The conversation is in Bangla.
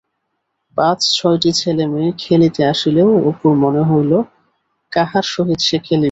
পাঁচ ছয়টি ছেলেমেয়ে খেলিতে আসিলেও অপুর মনে হইল, কাহার সহিত সে খেলিবে?